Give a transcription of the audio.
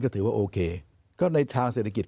ก็ถือว่าโอเคก็ในทางเศรษฐกิจ